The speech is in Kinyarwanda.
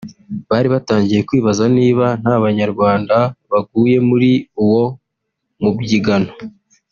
bari batangiye kwibaza niba nta banyarwanda baguye muri uwo mubyigano